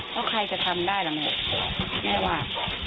แล้วใครจะทำได้ล่ะแม่แม่ว่า